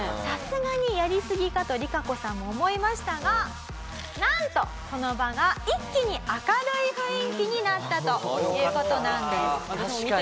さすがにやりすぎかとリカコさんも思いましたがなんとその場が一気に明るい雰囲気になったという事なんです。